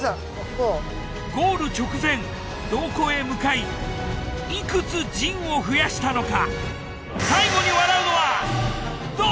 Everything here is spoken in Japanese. ゴール直前どこへ向かいいくつ陣を増やしたのか？